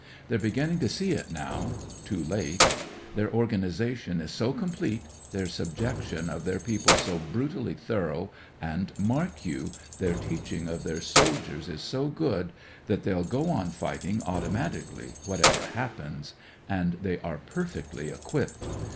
They're beginning to see it now — too late. Their organisation is so complete, their subjection of their people so brutally thorough, and, mark you, their teaching of their soldiers is so good, that they'll go on fighting automatically whatever happens. And they are per fectly equipped.